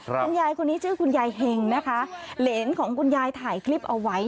คุณยายคนนี้ชื่อคุณยายเห็งนะคะเหรนของคุณยายถ่ายคลิปเอาไว้